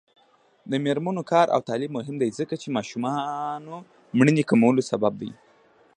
د میرمنو کار او تعلیم مهم دی ځکه چې ماشومانو مړینې کمولو سبب دی.